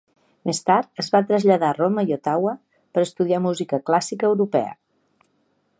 Més tard es va traslladar a Roma i Ottawa per estudiar música clàssica europea.